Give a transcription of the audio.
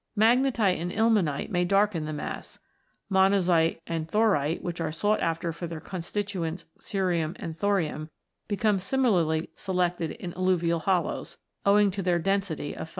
Magnetite and ilmenite may darken the mass; monazite and thorite, which are sought after for their constituents cerium and thorium, become similarly selected in alluvial hollows, owing to their density of 5.